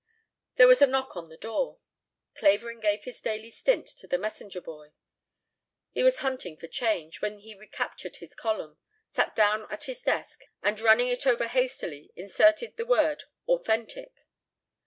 There was a knock on the door. Clavering gave his daily stint to the messenger boy. He was hunting for change, when he recaptured his column, sat down at his desk, and, running it over hastily, inserted the word "authentic."